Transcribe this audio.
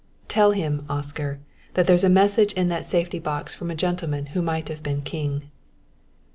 " tell him, Oscar, that there's a message in that safety box from a gentleman who might have been King."